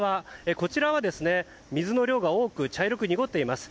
こちらは、水の量が多く茶色く濁っています。